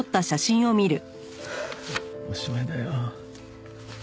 はあおしまいだよ。